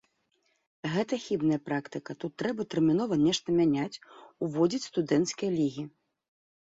Гэта хібная практыка, тут трэба тэрмінова нешта мяняць, уводзіць студэнцкія лігі.